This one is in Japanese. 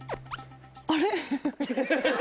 あれ？